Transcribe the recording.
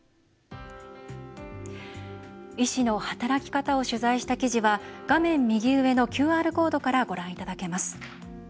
医師の働き方を取材した記事は画面右上のＱＲコードからご覧いただけます。